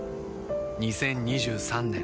２０２３年